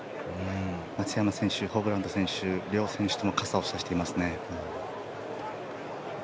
松山選手、ホブラン選手両選手とも傘を差していますね。